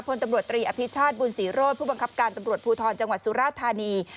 พลตำรวจตรีอภิชาติบุญศรีโรธผู้บังคับการตำรวจภูทรจังหวัดสุราธานี